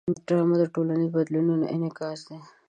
ډرامه د ټولنیزو بدلونونو انعکاس دی